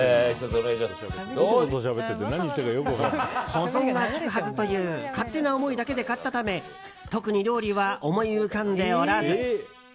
保存が効くはずという勝手な思いだけで買ったため特に料理は思い浮かんでおらず。